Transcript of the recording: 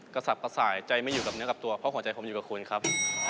กระสับประสาห์ใจไม่อยู่กับเนื้อของตัวเพราะใจของคุณอยู่กับคุณครับ